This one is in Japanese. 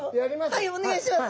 はいお願いします。